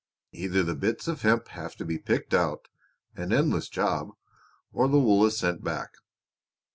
Either the bits of hemp have to be picked out an endless job or the wool is sent back.